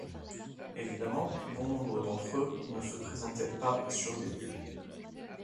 Évidemment, bon nombre d'entre eux ne se présentaient pas sur les lieux.